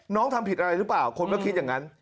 ทำผิดอะไรหรือเปล่าคนก็คิดอย่างนั้น